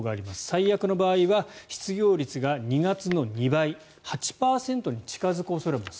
最悪の場合は失業率が２月の２倍８％に近付く恐れもある。